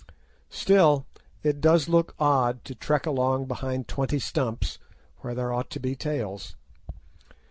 Still it does look odd to trek along behind twenty stumps, where there ought to be tails.